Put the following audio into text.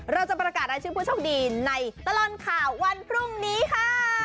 เราจะประกาศรายชื่อผู้โชคดีในตลอดข่าววันพรุ่งนี้ค่ะ